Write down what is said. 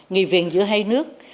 nghị viện giữa hai nước